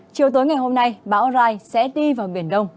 chiều tối ngày hôm nay bão rai sẽ đi vào biển đông